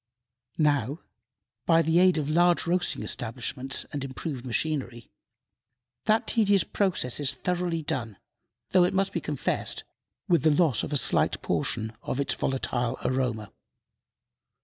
Now, by the aid of large roasting establishments and improved machinery, that tedious process is thoroughly done, though, it must be confessed, with the loss of a slight portion of its volatile aroma.